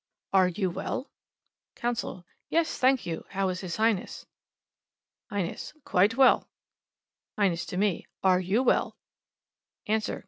"Are you well?" Consul. "Yes, thank you. How is His Highness?" Highness. "Quite well!" Highness to me. "Are you well?" Answer.